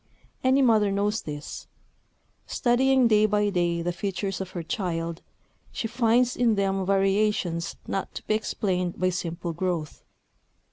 Any mother knows this. Studying day by day the features of her child, she finds in them variations not to be explained by simple growth.